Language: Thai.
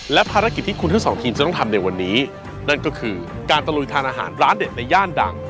และภารกิจที่คุณทั้งสองทีมจะต้องทำในวันนี้นั่นก็คือการตะลุยทานอาหารร้านเด็ดในย่านดัง